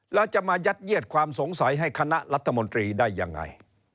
แล้วจะมายัดเยียดความสงสัยให้คณะรัฐมนตรีได้ยังไง